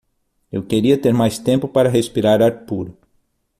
eu queria ter mais tempo para respirar ar puro